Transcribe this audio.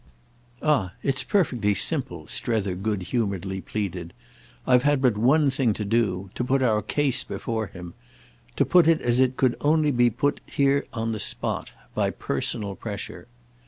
"Ah it's perfectly simple," Strether good humouredly pleaded. "I've had but one thing to do—to put our case before him. To put it as it could only be put here on the spot—by personal pressure.